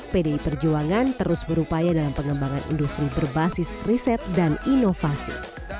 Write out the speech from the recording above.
pdi perjuangan terus berupaya dalam pengembangan industri berbasis riset dan inovasi